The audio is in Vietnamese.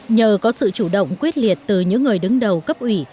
nhờ có sự chủ động quyết liệt từ những người đứng đầu cấp ủy